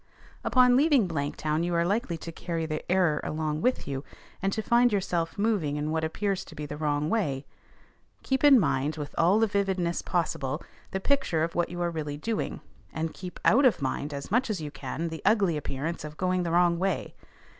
Upon leaving Blanktown you are likely to carry the error along with you, and to find yourself moving in what appears to be the wrong way. Keep in mind with all the vividness possible, the picture of what you are really doing, and keep out of mind as much as you can the ugly appearance of going the wrong way.